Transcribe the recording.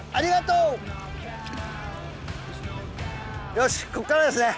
よしここからですね